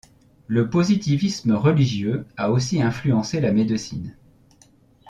Le positivisme religieux a aussi influencé la médecine.